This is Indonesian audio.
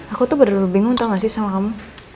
aku tuh bener bener bingung tau gak sih sama kamu